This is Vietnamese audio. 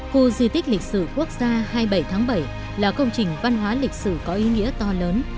khu di tích lịch sử quốc gia hai mươi bảy tháng bảy là công trình văn hóa lịch sử có ý nghĩa to lớn